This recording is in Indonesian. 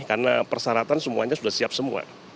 karena persyaratan semuanya sudah siap semua